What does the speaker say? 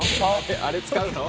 あれ使うの？